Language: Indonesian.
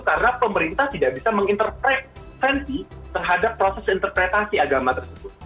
karena pemerintah tidak bisa menginterpretasi terhadap proses interpretasi agama tersebut